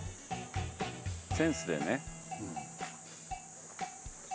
センスでね。